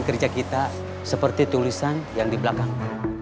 saya ingin kerja kita seperti tulisan yang di belakang